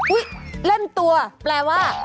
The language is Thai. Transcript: อุ๊ยเล่นตัวแปลว่า